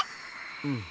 うん。